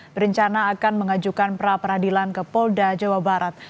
berencana akan mengajukan pra peradilan ke polda jawa barat